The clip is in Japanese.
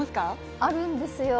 あるんですよ。